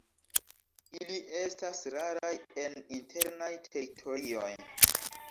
Ili estas raraj en internaj teritorioj.